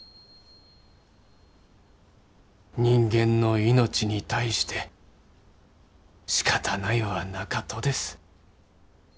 人間の命に対してしかたないはなかとです。